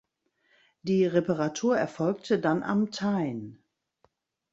Die Reparatur erfolgte dann am Tyne.